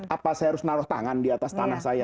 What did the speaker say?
apa saya harus menaruh tangan diatas tanah saya